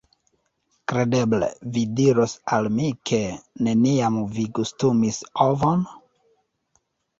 Kredeble vi diros al mi ke neniam vi gustumis ovon?